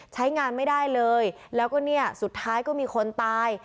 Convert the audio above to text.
ใช้งานไม่ได้เลยแล้วก็เนี่ยสุดท้ายก็มีคนตาย